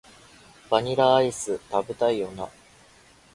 バニラアイス、食べたいよな